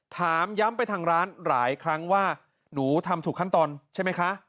ถามย้ำไปทางร้านหลายครั้งว่าหนูทำถูกขั้นตอนใช่ไหมคะ